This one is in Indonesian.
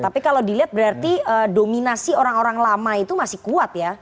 tapi kalau dilihat berarti dominasi orang orang lama itu masih kuat ya